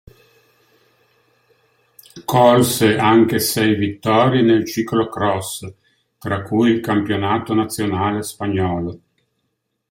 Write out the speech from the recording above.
Colse anche sei vittorie nel ciclocross, tra cui il campionato nazionale spagnolo.